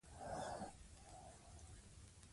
که ماشوم ویره لري، مهربانه چلند وکړئ.